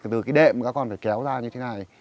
từ cái đệm các con phải kéo ra như thế này